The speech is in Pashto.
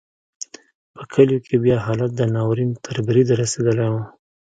په کلیو کې بیا حالت د ناورین تر بریده رسېدلی و.